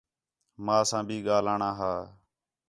ماں ساں بھی ڳاہلݨاں ہا